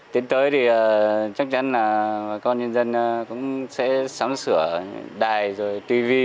tiến tới thì chắc chắn là bà con nhân dân cũng sẽ sắm sửa đài rồi tv